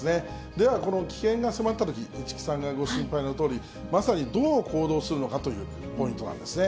では、この危険が迫ったとき、市來さんがご心配のとおり、まさにどう行動するのかというポイントなんですね。